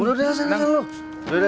udah udah serius lo